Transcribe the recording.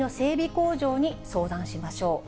工場に相談しましょう。